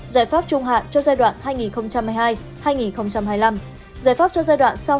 giải pháp trung hạn cho giai đoạn hai nghìn hai mươi hai hai nghìn hai mươi năm giải pháp cho giai đoạn sau hai nghìn hai mươi năm